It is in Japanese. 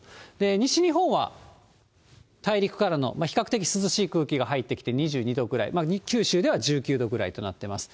西日本は大陸からの比較的涼しい空気が入ってきて２２度くらい、九州では１９度ぐらいとなっています。